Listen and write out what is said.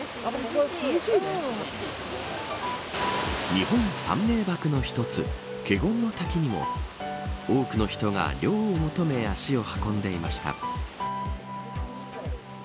日本三名瀑の一つ華厳の滝にも多くの人が涼を求め足を運んでいました。